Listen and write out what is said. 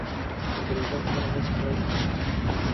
انګرېزان هره ورځ خاوره لاندي کوي.